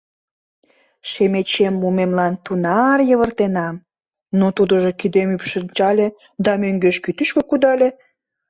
Шемечем мумемлан тунар йывыртенам, но тудыжо кидем ӱпшынчале да мӧҥгеш кӱтӱшкӧ кудале.